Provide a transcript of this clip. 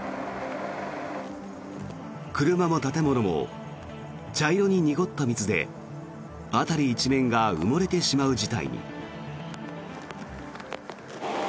車も建物も茶色に濁った水で辺り一面が埋もれてしまう事態に。